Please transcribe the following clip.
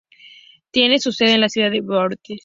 Tiene su sede en la ciudad de Dordrecht.